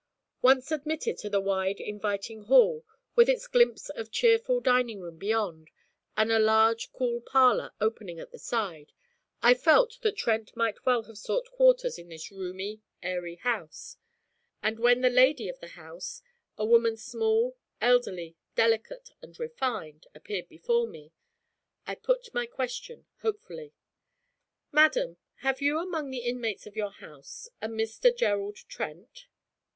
Once admitted to the wide, inviting hall, with its glimpse of cheerful dining room beyond, and a large cool parlour opening at the side, I felt that Trent might well have sought quarters in this roomy, airy house; and when the 'lady of the house,' a woman small, elderly, delicate, and refined, appeared before me, I put my question hopefully. 'Madam, have you among the inmates of your house a Mr. Gerald Trent?'